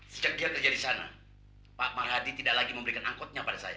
sejak dia kerja di sana pak marhadi tidak lagi memberikan angkotnya pada saya